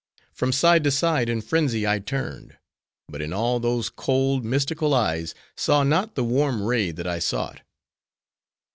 From side to side, in frenzy, I turned; but in all those cold, mystical eyes, saw not the warm ray that I sought.